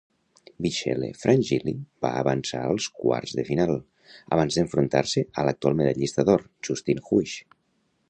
Michele Frangilli va avançar als quarts de final, abans d'enfrontar-se a l'actual medallista d'or, Justin Huish.